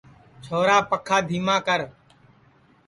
چھورا پکھا دھیما کر